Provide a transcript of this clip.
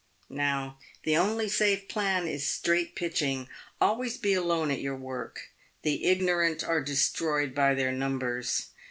Now, the only safe plan is ' straight pitching' — always be alone at your work. The ignorant are destroyed by their numbers.